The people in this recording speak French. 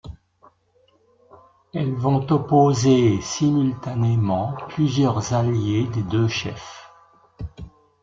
Elles vont opposer simultanément plusieurs alliés des deux chefs.